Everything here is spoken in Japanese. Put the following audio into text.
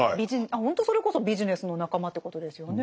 ほんとそれこそビジネスの仲間ってことですよね。